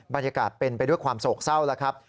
บรรยากาศเป็นไปด้วยความโศกเศร้าแล้วครับ